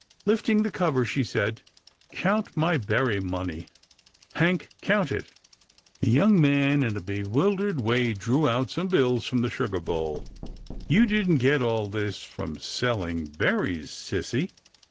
Lifting the cover, she said, " Count my berry money, Hank, count it." The young man, in a bewildered way, drew out some bills from the sugar bowl. " You didn't get all this from selling berries, sissy